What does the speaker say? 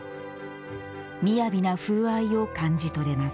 雅な風合いを感じ取れます。